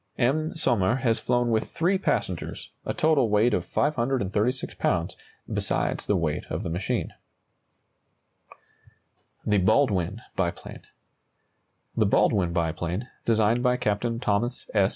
M. Sommer has flown with three passengers, a total weight of 536 lbs., besides the weight of the machine. THE BALDWIN BIPLANE. The Baldwin biplane, designed by Captain Thomas S.